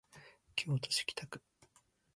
京都市北区